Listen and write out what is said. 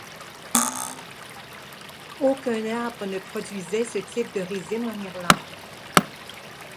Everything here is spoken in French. Aucun arbre ne produisait ce type de résine en Irlande.